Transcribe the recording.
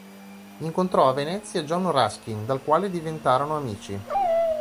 Incontrò a Venezia John Ruskin, dal quale diventarono amici.